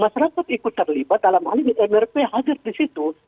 masyarakat ikut terlibat dalam hal ini mrp hadir di situ